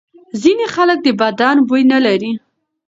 ځینې خلک د بدن بوی نه لري.